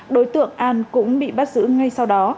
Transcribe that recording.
đối tượng an cũng bị bắt giữ ngay sau đó